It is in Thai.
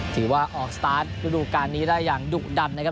ถือว่าออกสตาร์ทฤดูการนี้ได้อย่างดุดันนะครับ